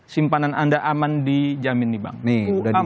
simpanan anda aman dijamin di bank